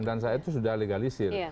dan saya itu sudah legalisir